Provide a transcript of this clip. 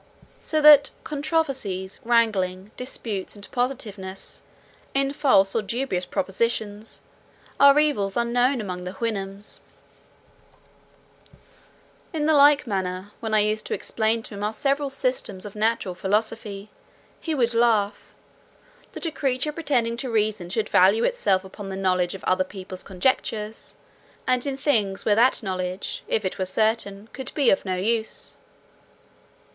So that controversies, wranglings, disputes, and positiveness, in false or dubious propositions, are evils unknown among the Houyhnhnms. In the like manner, when I used to explain to him our several systems of natural philosophy, he would laugh, "that a creature pretending to reason, should value itself upon the knowledge of other people's conjectures, and in things where that knowledge, if it were certain, could be of no use."